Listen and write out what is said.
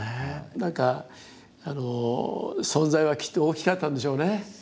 何か存在はきっと大きかったんでしょうね。